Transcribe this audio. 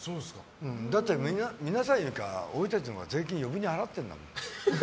だって、皆さんよりか俺たちも税金、余分に払ってるんだもん。